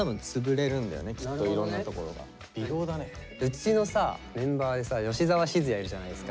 うちのさメンバーでさ吉澤閑也いるじゃないですか。